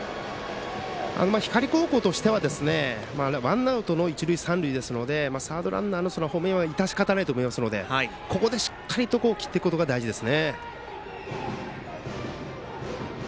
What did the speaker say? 光高校としてはワンアウトの一塁三塁なので三塁ランナーのホームインは致し方ないと思いますのでここでしっかりきっていくことが大事です。